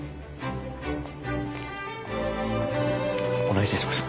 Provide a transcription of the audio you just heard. お願いいたします。